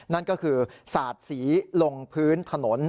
นั่นก็คือสาดสีลงพื้นถนน